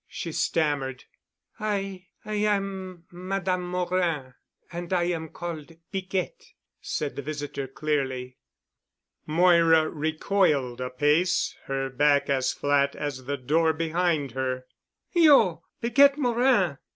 she stammered. "I—I am Madame Morin—and I am called Piquette," said the visitor clearly. Moira recoiled a pace, her back as flat as the door behind her. "You——! Piquette Morin!